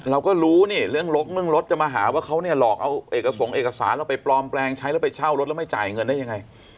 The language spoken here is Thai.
เราก็รู้นี่เรื่องลกเรื่องรถจะมาหาว่าเขาเนี่ยหลอกเอาเอกสงคเอกสารเราไปปลอมแปลงใช้แล้วไปเช่ารถแล้วไม่จ่ายเงินได้ยังไง